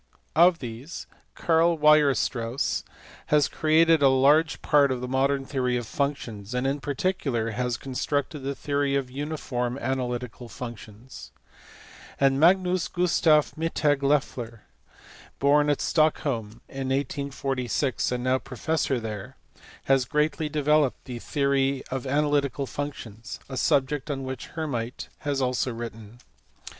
Of these, Karl Weierstrass (see pp. 469, 482) has created a large part of the modern theory of functions, and in particu lar has constructed the theory of uniform analytical functions. And Magnus Gustaf Mittag Leffler, born at Stockholm, 1846, and now professor there, has greatly developed the theory of analytical functions ; a subject on which Hermite (see pp. 462, 469, 470, 478) has also written.